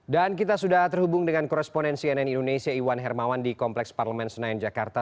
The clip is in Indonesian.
dan kita sudah terhubung dengan koresponen cnn indonesia iwan hermawan di kompleks parlemen senayan jakarta